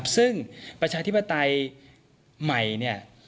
ซึ่งประชาธิปไตยใหม่เนี่ย